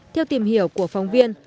theo tìm hiểu của phóng viên